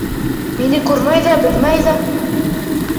Мине күрмәй ҙә, белмәй ҙә.